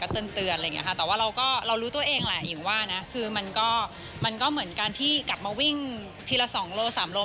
แต่ว่าเรารู้ตัวเองแหละอิงว่านะคือมันก็เหมือนกันที่กลับมาวิ่งทีละสองโลสามโล